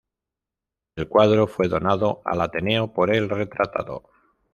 El cuadro fue donado al Ateneo por el retratado.